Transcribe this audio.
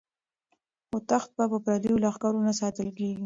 خو تخت په پردیو لښکرو نه ساتل کیږي.